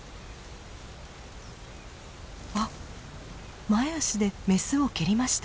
あっ前足でメスを蹴りました。